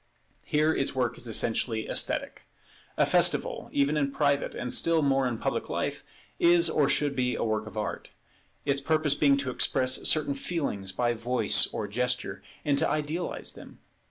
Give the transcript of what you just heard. Here its work is essentially esthetic. A festival even in private, and still more in public life, is or should be a work of art; its purpose being to express certain feelings by voice or gesture, and to idealize them.